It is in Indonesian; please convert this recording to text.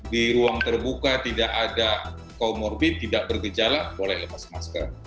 di ruang terbuka tidak ada comorbid tidak bergejala boleh lepas masker